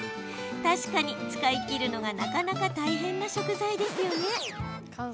確かに、使い切るのがなかなか大変な食材ですよね。